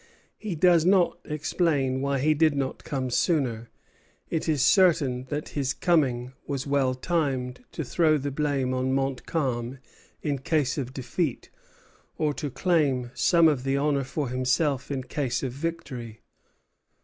He does not explain why he did not come sooner; it is certain that his coming was well timed to throw the blame on Montcalm in case of defeat, or to claim some of the honor for himself in case of victory.